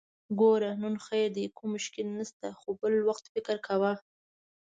ګوره! نن خير دی، کوم مشکل نشته، خو بل وخت فکر کوه!